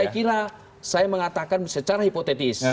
saya kira saya mengatakan secara hipotetis